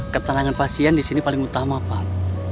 ketalangan pasien disini paling utama pak